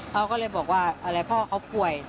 เขาก็เลยบอกว่าอะไรพ่อเขาป่วย